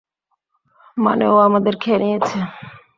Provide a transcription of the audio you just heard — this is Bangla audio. মানে ও আমাদের খেয়ে নিয়েছে?